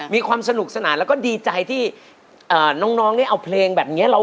มีความสนุกสนานแล้วก็ดีใจที่น้องเนี่ยเอาเพลงแบบนี้